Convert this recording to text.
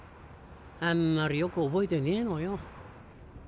あんまりよく覚えてねえのよ。